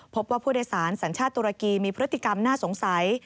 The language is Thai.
พบว่าผู้โดยสารสัญชาติตุรกีมีพฤติกรรมน่าสงสัย